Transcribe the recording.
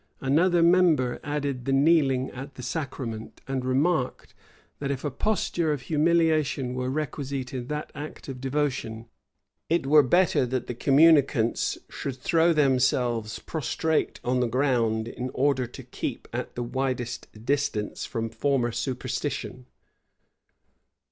Another member added the kneeling at the sacrament; and remarked, that if a posture of humiliation were requisite in that act of devotion, it were better that the communicants should throw themselves prostrate on the ground, in order to keep at the widest distance from former superstition.